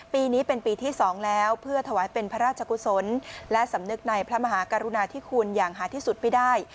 ปีนี้เป็นปีที่๒แล้วเพื่อถวายเป็นพระราชกุศลและสำนึกในพระมหากรุณาธิคุณอย่างหาที่สุดไม่ได้